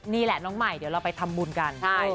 นี่แหละน้องใหม่เดี๋ยวเราไปทำบุญกัน